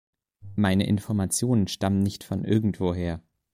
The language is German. Meine Informationen stammen nicht von irgendwo her.